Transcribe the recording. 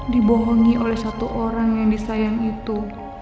dibohongi oleh satu orang yang disayang itu